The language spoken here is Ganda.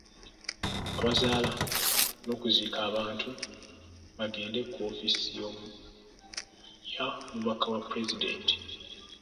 Abazaala n'okuziika abantu bagende ku woofiisi ya mubaka wa Pulezidenti.